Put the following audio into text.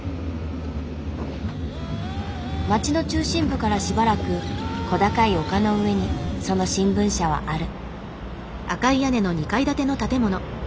町の中心部からしばらく小高い丘の上にその新聞社はある。